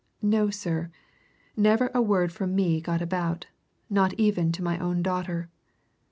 No, sir! never a word from me got about not even to my own daughter.